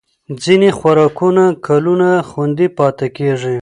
ځینې خوراکونه کلونه خوندي پاتې کېږي.